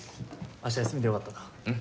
明日休みでよかったな。